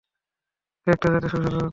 কেকটা খেতে সুস্বাদু, তাই না?